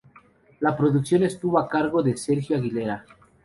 La producción estuvo a cargo de Sergio Aguilera.